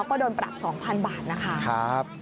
ก็โดนปรับ๒๐๐๐บาทนะคะ